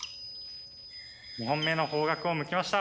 ２本目の方角を向きました。